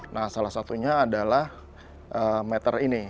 nah salah satunya adalah meter ini